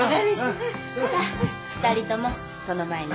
さあ２人ともその前に。